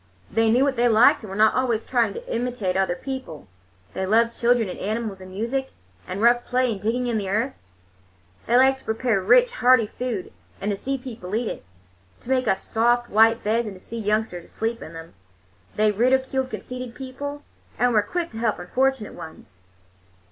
They knew what they liked, and were not always trying to imitate other people. They loved children and animals and music, and rough play and digging in the earth. They liked to prepare rich, hearty food and to see people eat it; to make up soft white beds and to see youngsters asleep in them. They ridiculed conceited people and were quick to help unfortunate ones.